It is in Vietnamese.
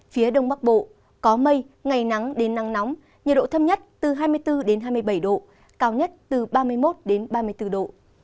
phía đông bắc bộ có mây ngày nắng đến nắng nóng nhiệt độ thấp nhất từ hai mươi bốn hai mươi bảy độ cao nhất từ ba mươi một ba mươi bốn độ